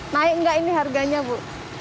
naik nggak ini harganya bu